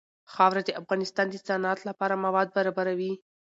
خاوره د افغانستان د صنعت لپاره مواد برابروي.